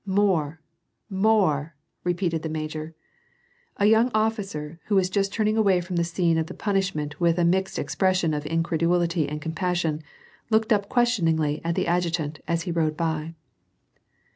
" More ! more !" repeated the major. A young officer, who was just turning away from the scene of the punishment with a mixed expression of in credulity and compassion, looked up questioningly at the ad jutant, as he rode by.